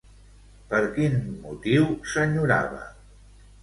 Per quin motiu s'enyorava?